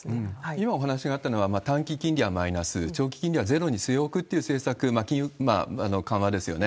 今お話があったのは、短期金利はマイナス、長期金利はゼロに据え置くという政策、金融緩和ですよね。